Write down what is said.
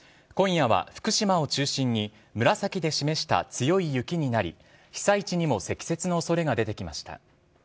今夜は福島を中心に紫で示した強い雪になり被災地にも積雪の恐れが出てきました。